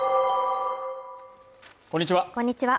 こんにちは